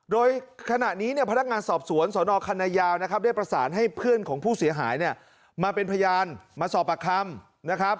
โดยขณะนี้เนี่ยพนักงานสอบสวนสนคันนายาวนะครับได้ประสานให้เพื่อนของผู้เสียหายเนี่ยมาเป็นพยานมาสอบปากคำนะครับ